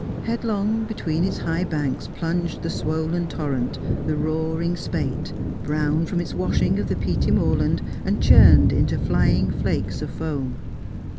Headlong between its high banks plunged the swollen torrent, the roaring spate; brown from its washing of the peaty moorland, and churned into flying flakes of foam.